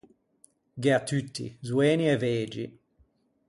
Gh’ea tutti, zoeni e vegi.